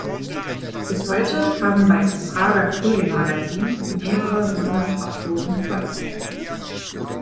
Bis heute haben bei Prager-Frühling-Magazin mehrere hundert Autoren veröffentlicht.